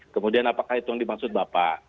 kemudian apakah itu yang dimaksud bapak